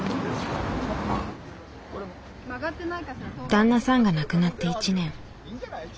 旦那さんが亡くなって１年。